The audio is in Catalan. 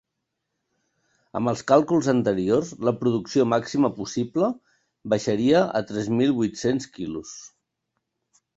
Amb els càlculs anteriors la producció màxima possible baixaria a tres mil vuit-cents quilos.